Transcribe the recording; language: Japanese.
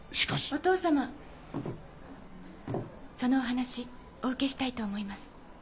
・お父様・そのお話お受けしたいと思います。